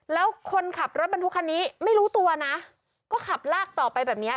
แล้วคนขับรถบรรทุกคันนี้ไม่รู้ตัวนะก็ขับลากต่อไปแบบเนี้ย